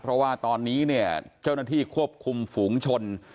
เพราะว่าตอนนี้เนี่ยเจ้าหน้าที่ควบคุมฝูงชน